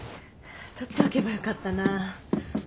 録っておけばよかったな。